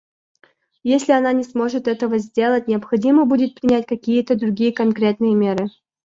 Если она не сможет этого сделать, необходимо будет принять какие-то другие конкретные меры.